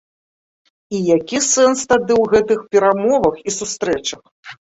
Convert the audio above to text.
І які сэнс тады ў гэтых перамовах і сустрэчах?